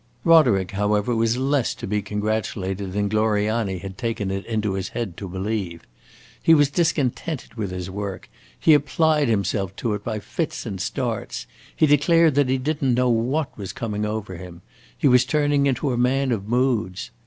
Roderick, however, was less to be congratulated than Gloriani had taken it into his head to believe. He was discontented with his work, he applied himself to it by fits and starts, he declared that he did n't know what was coming over him; he was turning into a man of moods.